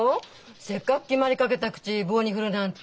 せっかく決まりかけた口棒に振るなんて。